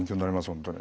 本当に。